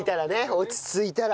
落ち着いたら。